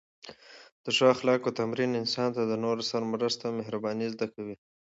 د ښو اخلاقو تمرین انسان ته د نورو سره مرسته او مهرباني زده کوي.